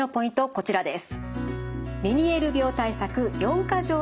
こちらです。